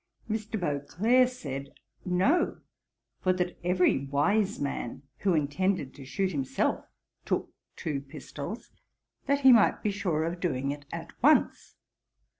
Mr. Beauclerk said, 'No; for that every wise man who intended to shoot himself, took two pistols, that he might be sure of doing it at once.